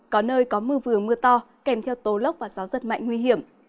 có nơi có mưa vừa mưa to kèm theo tố lốc và gió rất mạnh nguy hiểm